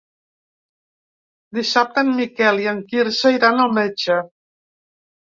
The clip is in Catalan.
Dissabte en Miquel i en Quirze iran al metge.